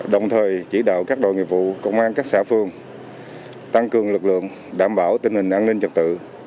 đồng thời chỉ đạo các đội nghiệp vụ công an các xã phường tăng cường lực lượng đảm bảo tình hình an ninh trật tự